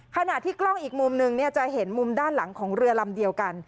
ขณะที่กล้องอีกมุมนึงจะเห็นมุมด้านหลังของเรือลำเดียวกัน